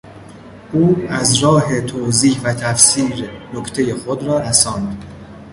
او از راه توضیح و تفسیر نکتهی خود را رساند.